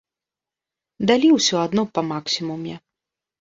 Далі ўсё адно па максімуме.